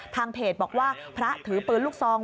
ทางเพจบอกว่าพระถือปืนลูกซอง